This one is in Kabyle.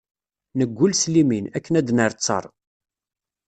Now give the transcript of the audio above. Neggul s limin, akken ad d-nerr ttaṛ.